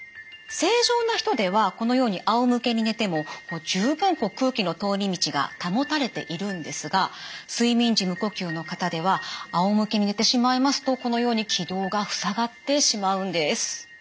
正常な人ではこのようにあおむけに寝ても十分空気の通り道が保たれているんですが睡眠時無呼吸の方ではあおむけに寝てしまいますとこのように気道がふさがってしまうんです。